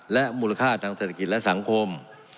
และมูลค่าทางเศรษฐกิจและสังคม